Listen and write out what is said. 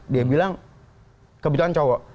dia bilang kebetulan cowok